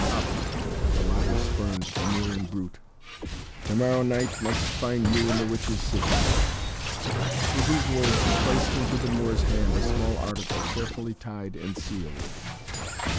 "Up!" the latter spurned the kneeling brute. "To morrow night must find you in the Witches' City." With these words he placed into the Moor's hand a small article, carefully tied and sealed.